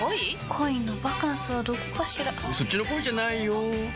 恋のバカンスはどこかしらそっちの恋じゃないよ